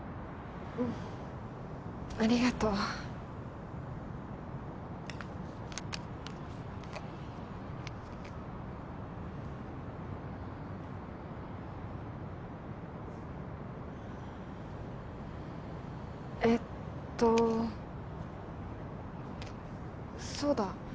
うんありがとうえっとそうだ